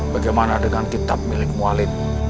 bagaimana dengan kitab milikmu alim